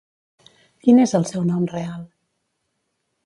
Quin és el seu nom real?